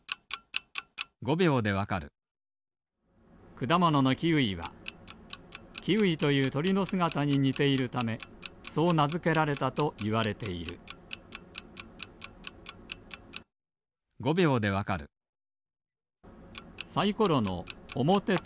くだもののキウイはキーウィというとりのすがたににているためそうなづけられたといわれているサイコロのおもてとうらのすうじをたすと７。